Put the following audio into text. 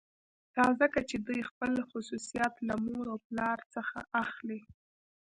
دا ځکه چې دوی خپل خصوصیات له مور او پلار څخه اخلي